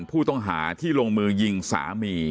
ผู้ต้องหาที่ลงมือยิงสามี